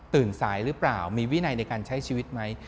สายหรือเปล่ามีวินัยในการใช้ชีวิตไหม